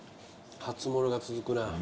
初物が続くな。